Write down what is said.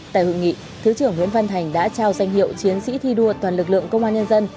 tại hội nghị thứ trưởng nguyễn văn thành đã trao danh hiệu chiến sĩ thi đua toàn lực lượng công an nhân dân